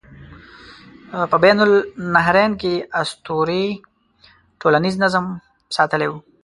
په بین النهرین کې اسطورې ټولنیز نظم ساتلی و.